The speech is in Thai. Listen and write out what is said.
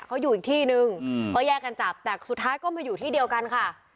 เขาอยู่อีกที่นึงเขาแยกกันจับแต่สุดท้ายก็มาอยู่ที่เดียวกันค่ะ